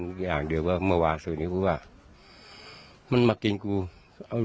ไม่อยากให้แม่เป็นอะไรไปแล้วนอนร้องไห้แท่ทุกคืน